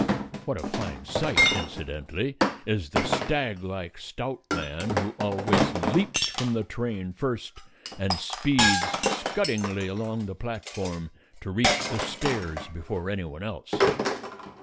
(What a fine sight, incidentally, is the stag like stout man who always leaps from the train first and speeds scuddingly along the platform, to reach the stairs before any one else.)